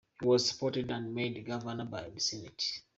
He was supported and made Governor by the Senate.